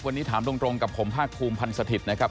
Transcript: วันนี้ถามตรงกับผมภาคภูมิพันธ์สถิตย์นะครับ